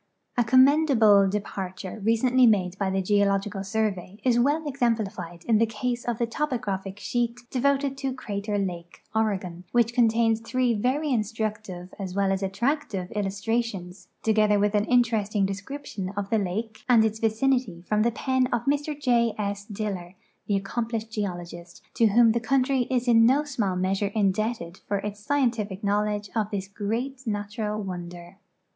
A commendable departure recently made by the Geological Survey is well exemplified in the case of the topographic sheet devoted to Crater lake, Oregon, which contains three very instructive as well as attractive illustrations, together with an interesting description of the lake and its 212 GEOGRAPHIC LITERATURE 213 vicinity from the pen of Mr J. S. Diller, the accomplished geologist to whom the country is in no small measure indebted for its scientific knowledge of this great natural wonder.